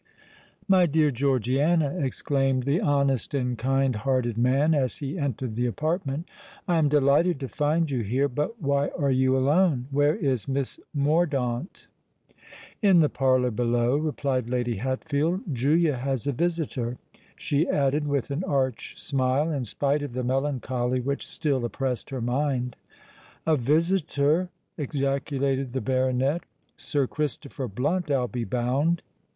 "My dear Georgiana," exclaimed the honest and kind hearted man, as he entered the apartment, "I am delighted to find you here. But why are you alone? Where is Miss Mordaunt?" "In the parlour below," replied Lady Hatfield. "Julia has a visitor," she added with an arch smile, in spite of the melancholy which still oppressed her mind. "A visitor!" ejaculated the baronet. "Sir Christopher Blunt, I'll be bound!"